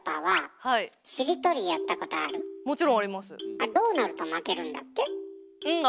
あれどうなると負けるんだっけ？